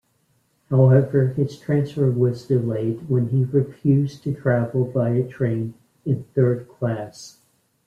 However, his transfer was delayed when he refused to travel via train in third-class.